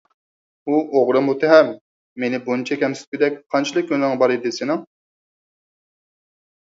ھۇ ئوغرى مۇتتەھەم! مېنى بۇنچە كەمسىتكۈدەك قانچىلىك ھۈنىرىڭ بار ئىدى سېنىڭ؟